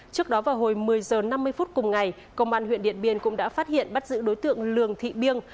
trước đó vào hồi một mươi h năm mươi phút cùng ngày công an huyện điện biên cũng đã phát hiện bắt giữ đối tượng lường thị biên